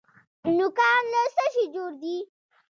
نوکان له څه شي جوړ دي؟